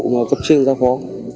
những nhiệm vụ mà cập trưng ra phố